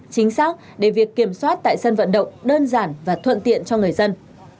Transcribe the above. chính xác để việc kiểm soát tại sân vận động đơn giản và thuận tiện cho người dân